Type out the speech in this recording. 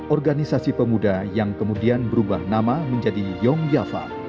organisasi pemuda yang kemudian berubah nama menjadi yong yava